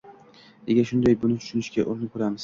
Nega shunday? Buni tushunishga urinib ko‘ramiz.